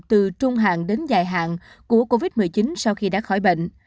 từ trung hàng đến dài hạn của covid một mươi chín sau khi đã khỏi bệnh